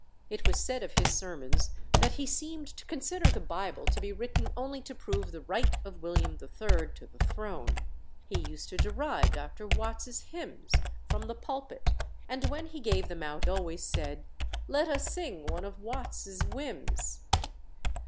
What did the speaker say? It was said of his sermons that he seemed to consider the Bible to be written only to prove the right of William III. to the throne. He used to deride Dr. Watts's hymns from the pulpit, and when he gave them out always said "Let us sing one of Watts's whims."